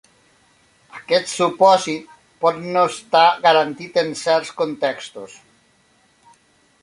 Aquest supòsit pot no estar garantit en certs contextos.